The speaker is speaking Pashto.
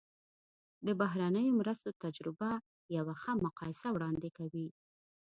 د بهرنیو مرستو تجربه یوه ښه مقایسه وړاندې کوي.